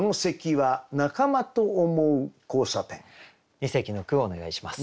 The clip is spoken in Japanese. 二席の句をお願いします。